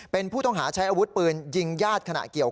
เป็นผู้ต้องหาใช้อาวุธปืนยิงญาติขณะเกี่ยว